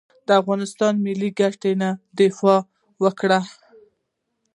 د افغانستان د ملي ګټو نه دفاع وکړي.